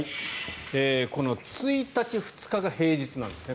この１日、２日が平日なんですね。